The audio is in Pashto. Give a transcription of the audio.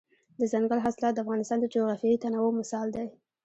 دځنګل حاصلات د افغانستان د جغرافیوي تنوع مثال دی.